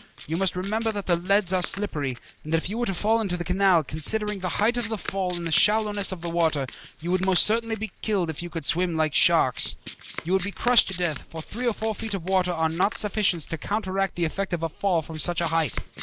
You must remember that the leads are slippery, and that if you were to fall into the canal, considering the height of the fall and the shallowness of the water, you would most certainly be killed if you could swim like sharks. You would be crushed to death, for three or four feet of water are not sufficient to counteract the effect of a fall from such a height.